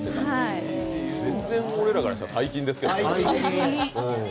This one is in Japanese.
全然俺らからしたら最近ですけど。